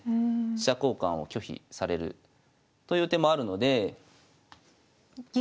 飛車交換を拒否されるという手もあるので。